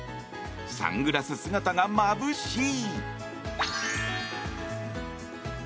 サングラス姿がまぶしい！